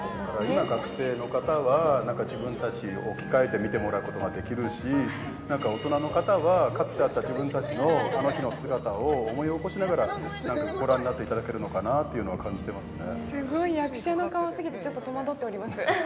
今学生の方は自分たちを置き換えてみてもらうことができるし何か大人の方はかつてあった自分たちのあの日の姿を思い起こしながらご覧になっていただけるのかなっていうのは感じてますね